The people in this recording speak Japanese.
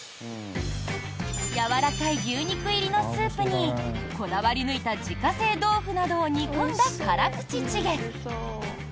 やわらかい牛肉入りのスープにこだわり抜いた自家製豆腐などを煮込んだ辛口チゲ。